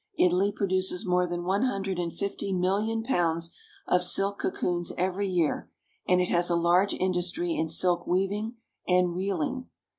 Italy produces more than one hundred and fifty million pounds of silk cocoons every year, and it has a large industry in silk weaving and reeling.